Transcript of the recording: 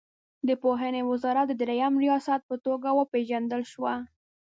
د پوهنې وزارت د دریم ریاست په توګه وپېژندل شوه.